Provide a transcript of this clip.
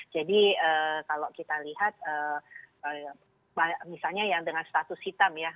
kalau kita lihat misalnya yang dengan status hitam ya